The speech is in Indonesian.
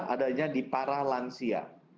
adanya di para lansia